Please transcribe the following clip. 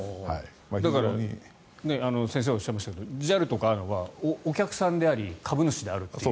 だから先生がおっしゃいましたがＪＡＬとかＡＮＡはお客さんであり株主であるっていう。